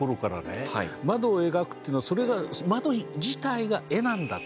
窓を描くというのはそれが窓自体が絵なんだ。